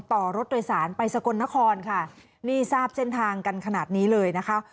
ต่อรถโดยสารไปสกลนครค่ะนี่ทราบเส้นทางกันขนาดนี้เลยนะคะ